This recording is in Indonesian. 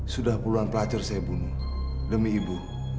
sudah puluhan pelajar saya bunuh demi ibu